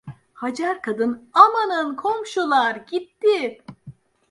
Hacer kadın: "Amanın komşular! Gitti…"